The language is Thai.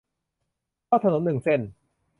เพราะถนนหนึ่งเส้น